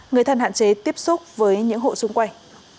người thân hạn chế tiếp xúc với những hộ xung quanh